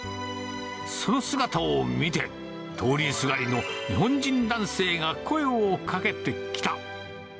その姿を見て、通りすがりの日本人男性が声をかけてきた。